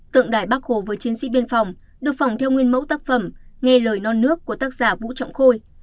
tượng đài bắc hồ với chiến sĩ biên phòng được phỏng theo nguyên mẫu tác phẩm nghe lời non nước của tác giả vũ trọng khôi